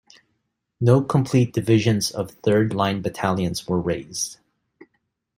No complete divisions of third line battalions were raised.